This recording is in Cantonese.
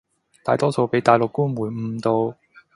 大多數畀大陸官媒誤導